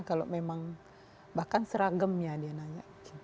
kalau memang bahkan seragamnya dia nanya